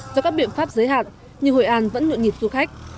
do các biện pháp giới hạn nhưng hội an vẫn nhộn nhịp du khách